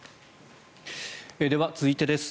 では、続いてです。